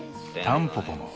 タンポポも。